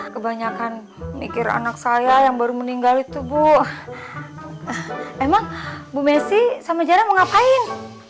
kebanyakan mikir anak saya yang baru meninggal itu bu emang bu messi sama jana mau ngapain